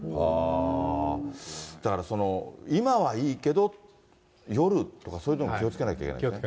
だからその、今はいいけど、夜とか、そういうのも気をつけなきゃいけないですね。